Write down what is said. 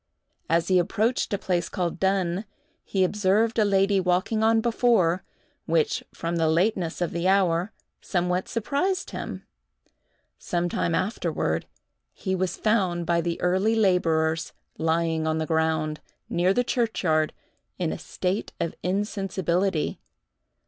As he approached a place called Dunn, he observed a lady walking on before, which, from the lateness of the hour, somewhat surprised him. Sometime afterward, he was found by the early laborers lying on the ground, near the churchyard, in a state of insensibility.